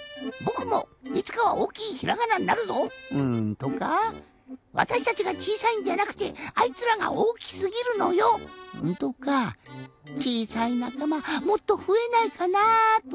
「ぼくもいつかはおおきいひらがなになるぞ！」とか「わたしたちがちいさいんじゃなくてあいつらがおおきすぎるのよ！」とか「ちいさいなかまもっとふえないかな」とか。